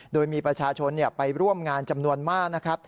โดยมีประชาชนไปร่วมงานจำนวนมากนะครับ